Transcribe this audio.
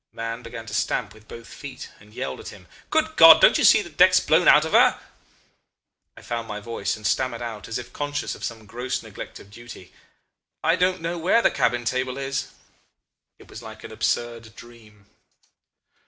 Mahon began to stamp with both feet and yelled at him, 'Good God! don't you see the deck's blown out of her?' I found my voice, and stammered out as if conscious of some gross neglect of duty, 'I don't know where the cabin table is.' It was like an absurd dream.